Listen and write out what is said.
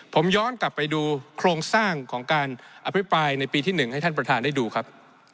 ผมย้อนกลับไปดูโครงสร้างของการอภิปรายในปีที่๑ให้ท่านประธานได้ดูครับ